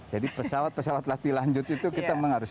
jadi pesawat pesawat latihan lanjut itu kita harus